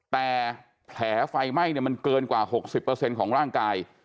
แต่แผลไฟไหม้มันเกินกว่า๖๐ของร่างกาย